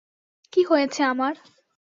কী হয়েছে আমার?